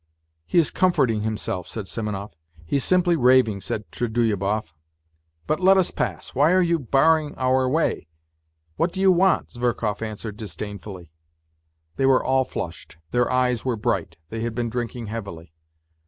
'' "He is comforting himself," said Simonov. " He's simply raving," said Trudolyubov. " But let us pass. Why are you barring our way ? What do you want ?" Zverkov answered disdainfully. They were all flushed ; their eyes were bright : they had been drinking heavily.